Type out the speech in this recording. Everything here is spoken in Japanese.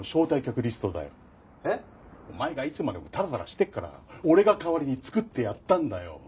お前がいつまでもタラタラしてるから俺が代わりに作ってやったんだよ。